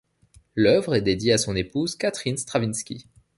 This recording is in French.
L'œuvre est dédiée à son épouse Catherine Stravinsky.